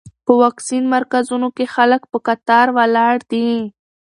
په واکسین مرکزونو کې خلک په کتار ولاړ دي.